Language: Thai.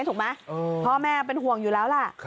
ถูกไหมพ่อแม่เป็นห่วงอยู่แล้วล่ะ